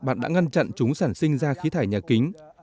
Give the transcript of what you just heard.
bạn đã ngăn chặn chúng sản sinh ra khí thải nhà kính